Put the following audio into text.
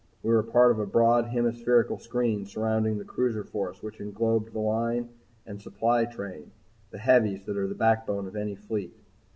We were part of a broad hemispherical screen surrounding the Cruiser Force which englobed the Line and supply train the heavies that are the backbone of any fleet.